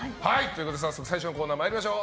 早速最初のコーナー参りましょう。